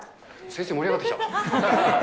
先生、盛り上がってきた。